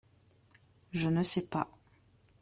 Je ne sais pas…